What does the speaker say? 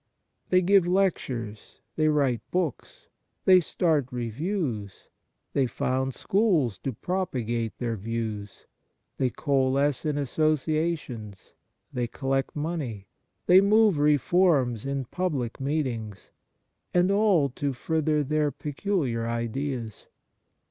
They give lectures, they write books, they start reviews, they found schools to propagate their views, they coalesce in associations, they collect money, they move reforms in public meetings, and all to further their peculiar ideas.